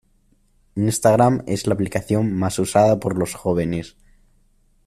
Instagram es la aplicación más usada por los jóvenes.